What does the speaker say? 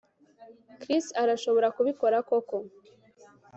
Chris arashobora kubikora koko